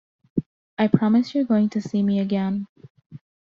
I promise you're going to see me again.